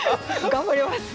頑張ります！